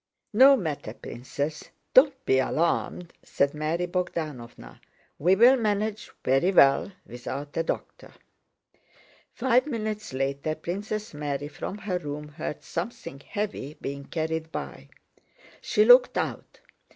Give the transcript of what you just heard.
"No matter, Princess, don't be alarmed," said Mary Bogdánovna. "We'll manage very well without a doctor." Five minutes later Princess Mary from her room heard something heavy being carried by. She looked out.